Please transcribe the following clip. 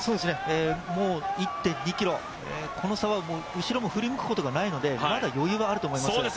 １．２ｋｍ、この差は後ろも振り向くことはないので、まだ余裕はあると思います。